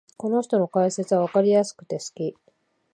この人の解説はわかりやすくて好き